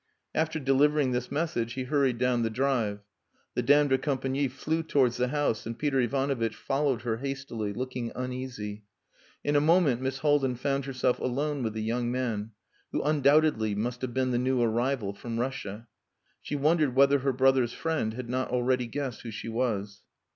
After delivering this message, he hurried down the drive. The dame de compagnie flew towards the house, and Peter Ivanovitch followed her hastily, looking uneasy. In a moment Miss Haldin found herself alone with the young man, who undoubtedly must have been the new arrival from Russia. She wondered whether her brother's friend had not already guessed who she was.